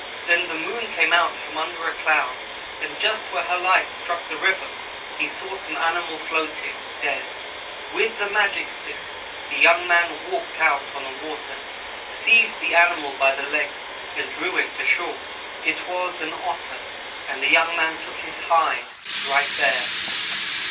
"Then the moon came out from under a cloud and just where her light struck the river, he saw some animal floating dead. With the magic stick the young man walked out on the water, seized the animal by the legs and drew it ashore. It was an Otter, and the young man took his hide, right there.